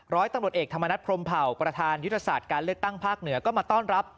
ร้อยตำรวจเอกธรรมนัฐพรมเผ่าประธานยุทธศาสตร์การเลือกตั้งภาคเหนือก็มาต้อนรับ